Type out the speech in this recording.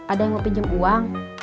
ada yang mau pinjam uang